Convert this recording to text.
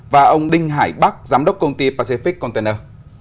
và ông đinh hải bắc giám đốc công ty pacific container